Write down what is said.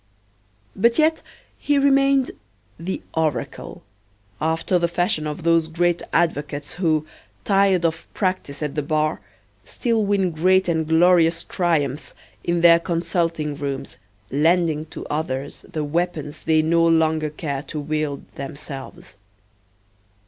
But yet he remained "the oracle," after the fashion of those great advocates who, tired of practise at the bar, still win great and glorious triumphs in their consulting rooms, lending to others the weapons they no longer care to wield themselves.